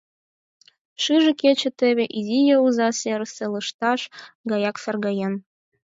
Шыже кече теве изи Яуза серысе лышташ гаяк саргаен.